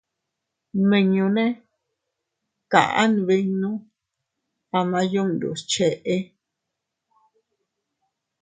Nmiñune kaʼa nbinnu ama yundus cheʼe.